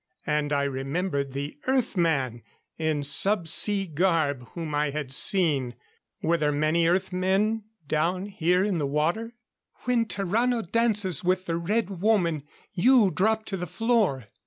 And I remembered the Earth man in sub sea garb whom I had seen. Were there many Earth men down here in the water? _"When Tarrano dances with the Red Woman, you drop to the floor."